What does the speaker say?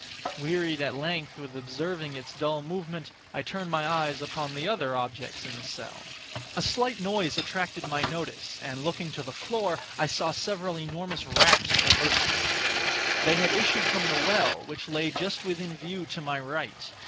Wearied at length with observing its dull movement, I turned my eyes upon the other objects in the cell. A slight noise attracted my notice, and, looking to the floor, I saw several enormous rats traversing it. They had issued from the well, which lay just within view to my right.